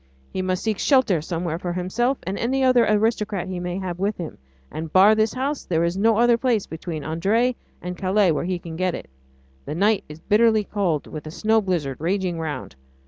He must seek shelter somewhere for himself and any other aristocrat he may have with him, and, bar this house, there is no other place between Ardres and Calais where he can get it. The night is bitterly cold, with a snow blizzard raging round.